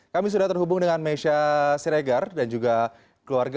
kami sudah terhubung dengan mesha siregar dan juga keluarga